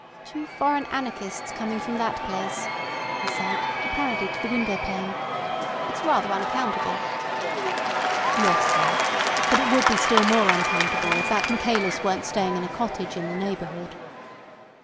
"Two foreign anarchists coming from that place," he said, apparently to the window pane. "It's rather unaccountable."' "Yes, sir. But it would be still more unaccountable if that Michaelis weren't staying in a cottage in the neighbourhood."